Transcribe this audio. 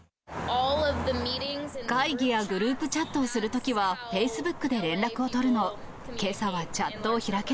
会議やグループチャットをするときは、フェイスブックで連絡を取るの。